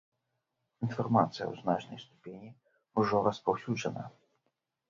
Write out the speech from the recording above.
Інфармацыя ў значнай ступені ўжо распаўсюджана.